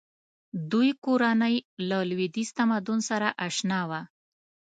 دوی کورنۍ له لویدیځ تمدن سره اشنا وه.